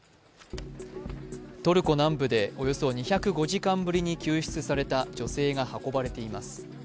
トルコ南部でおよそ２０５時間ぶりに救出された女性が運ばれています。